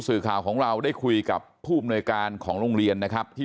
สื่อข่าวของเราได้คุยกับผู้อำนวยการของโรงเรียนนะครับที่